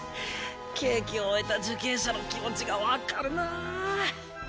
刑期を終えた受刑者の気持ちが分かるなぁ。